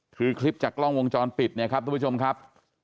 คือคลิปจากกล้องวงจรปิดเนี่ยครับทุกผู้ชมครับ